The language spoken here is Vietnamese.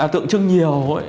tượng trưng nhiều thôi